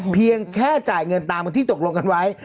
เพียงแค่จ่ายเงินตามเหมือนที่ตกลงกันไว้